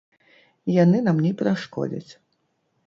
Яны нам не перашкодзяць!